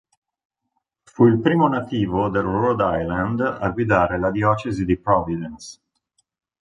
Fu il primo nativo del Rhode Island a guidare la diocesi di Providence.